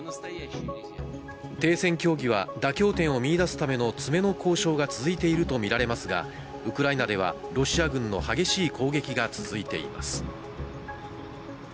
停戦協議は妥協点を見いだすための詰めの交渉が続いていると見られますが、ウクライナではロシア軍の激しい攻撃が続いています。